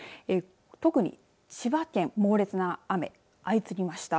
特に、千葉県、猛烈な雨が相次ぎました。